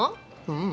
うん。